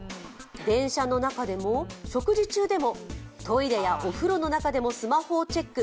電車の中でも食事中でもトイレやお風呂の中でもスマホをチェック。